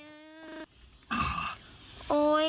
โอ้ยลงไปได้ยังไงเนี่ย